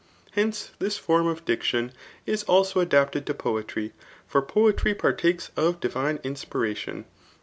Henep, this form oi diction is also adapted to poetry ; £c>r poetry partakes of divine inspiration.